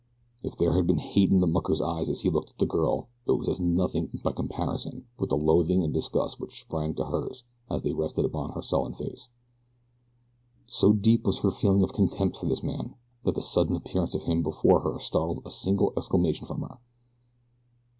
If there had been hate in the mucker's eyes as he looked at the girl, it was as nothing by comparison with the loathing and disgust which sprang to hers as they rested upon his sullen face. So deep was her feeling of contempt for this man, that the sudden appearance of him before her startled a single exclamation from her.